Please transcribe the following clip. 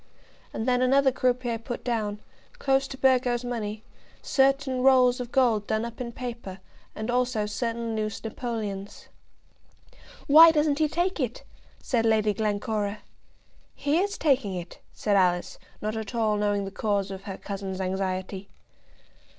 And then another croupier put down, close to Burgo's money, certain rolls of gold done up in paper, and also certain loose napoleons. "Why doesn't he take it?" said Lady Glencora. "He is taking it," said Alice, not at all knowing the cause of her cousin's anxiety.